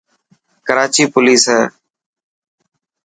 ڪراچي پوليس هي.